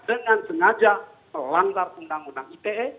dengan sengaja melanggar undang undang ite